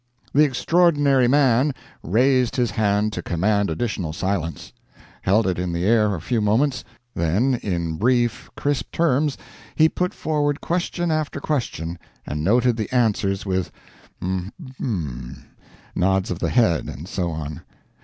The Extraordinary Man raised his hand to command additional silence; held it in the air a few moments; then, in brief, crisp terms he put forward question after question, and noted the answers with "Um ums," nods of the head, and so on.